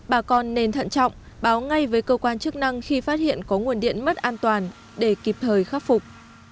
bà con nên thận trọng báo ngay với cơ quan chức năng khi phát hiện có nguồn điện mất an toàn để kịp thời khắc phục